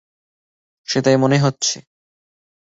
সেটাই মনে হচ্ছে।